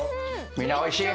みんなおいしい？